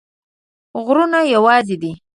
غرونه یوازي دي